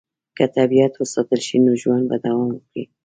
که طبیعت وساتل شي، نو ژوند به دوام وکړي.